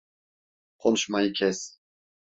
Konuşmayı kes!